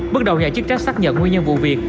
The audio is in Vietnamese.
bước đầu nhà chức trách xác nhận nguyên nhân vụ việc